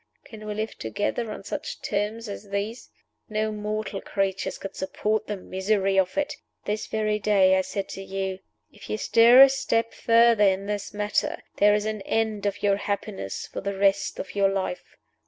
Can we live together on such terms as these? No mortal creatures could support the misery of it. This very day I said to you, 'If you stir a step further in this matter, there is an end of your happiness for the rest of your life.